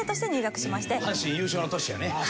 阪神優勝の年やね。